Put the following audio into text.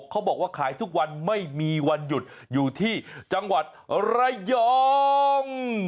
เขาบอกว่าขายทุกวันไม่มีวันหยุดอยู่ที่จังหวัดระยอง